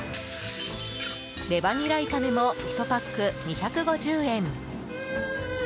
レバーニラ炒めも１パック２５０円。